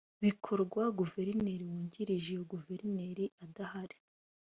bikorwa guverineri wungirije iyo guverineri adahari